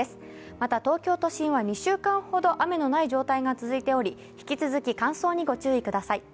また、東京都心は２週間ほど雨のない状態が続いており、引き続き乾燥にご注意ください。